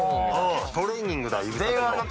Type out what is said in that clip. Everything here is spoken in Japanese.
トレーニングだ指先の。